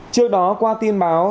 trước đó qua tin báo